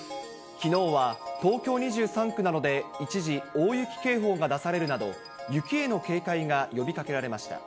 きのうは東京２３区などで、一時大雪警報が出されるなど、雪への警戒が呼びかけられました。